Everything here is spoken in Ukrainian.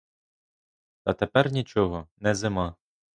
Та тепер нічого, не зима.